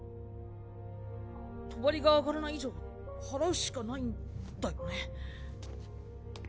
帳が上がらない以上祓うしかないんだよね。